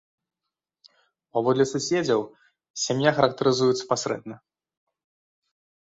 Паводле суседзяў, сям'я характарызуецца пасрэдна.